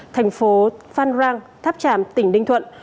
thành phố phan rang tháp tràm tỉnh ninh thuận